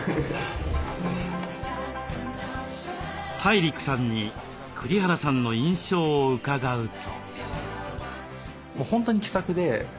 ＴＡＩＲＩＫさんに栗原さんの印象を伺うと。